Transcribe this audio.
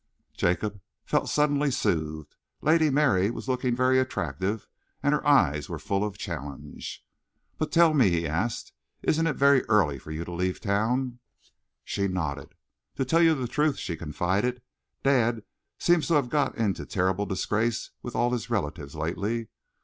Jacob felt suddenly soothed. Lady Mary was looking very attractive and her eyes were full of challenge. "But tell me," he asked, "isn't it very early for you to leave town?" She nodded. "To tell you the truth," she confided, "dad seems to have got into terrible disgrace with all his relatives lately.